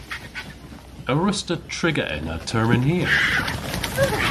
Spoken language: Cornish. A wruss'ta triga ena termyn hir?